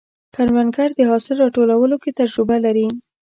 کروندګر د حاصل راټولولو کې تجربه لري